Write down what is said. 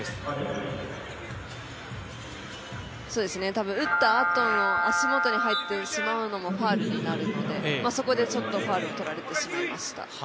たぶん打ったあとの足元に入ってしまうのもファウルになるので、そこでファウルをとられてしまいました。